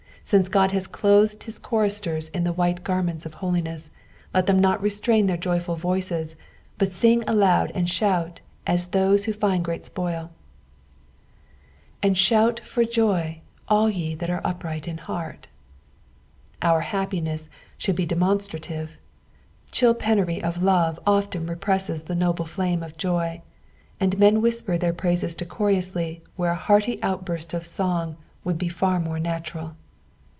Since Ood has clothed Ilia choristers in the white garments of holmes;, let them not restrain their joyful voices, but sing aloud and shout ua those who £nd great apoit. ^'And ihout/orjoj/, aU ye thnt are upright in heart." Our happiness should be demon Btrative ; chill penury of love often represses the noble flame of joy, and men whisper their praises decorously where a hearty outburst of eong would be far more natural.